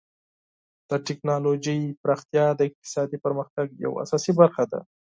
د ټکنالوژۍ پراختیا د اقتصادي پرمختګ یوه اساسي برخه ده.